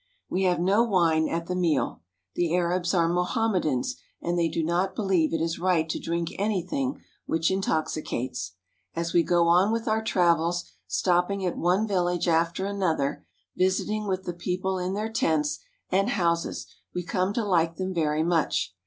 We have no wine at the meal. The Arabs are Mohammedans, and they do not believe it is right to drink anything which intoxicates. As we go on with our travels, stop ping at one village after another, visit ing with the people in their tents and houses, we come to like them very much.